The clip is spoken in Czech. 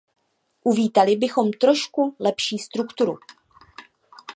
Uvítali bychom trošku lepší strukturu.